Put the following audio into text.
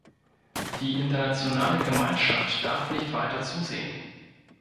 Die internationale Gemeinschaft darf nicht weiter zusehen.